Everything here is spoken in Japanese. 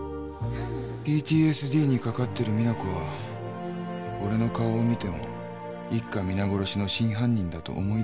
ＰＴＳＤにかかってる実那子は俺の顔を見ても一家皆殺しの真犯人だと思い出しはしなかった。